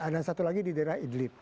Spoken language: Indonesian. dan satu lagi di daerah idlib